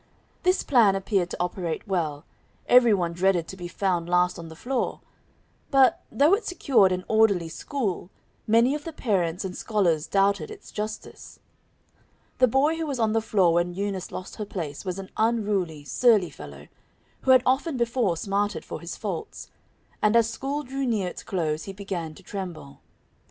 This plan appeared to operate very well; every one dreaded to be found last on the floor; but, though it secured an orderly school, many of the parents and scholars doubted its justice. The boy who was on the floor when Eunice lost her place, was an unruly, surly fellow, who had often before smarted for his faults; and as school drew near its close, he began to tremble.